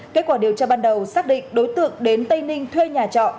kết quả điều tra ban đầu xác định đối tượng đến tây ninh thuê nhà trọ